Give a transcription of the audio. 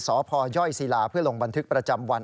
สพยศิลาเพื่อลงบันทึกประจำวัน